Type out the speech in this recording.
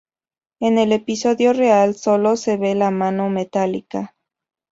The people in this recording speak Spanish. En el episodio real, solo se ve la mano metálica.